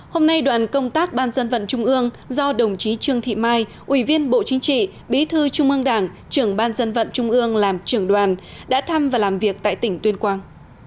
hôm nay đoàn công tác ban dân vận trung ương do đồng chí trương thị mai ủy viên bộ chính trị bí thư trung ương đảng trưởng ban dân vận trung ương làm trưởng đoàn đã thăm và làm việc tại tỉnh tuyên quang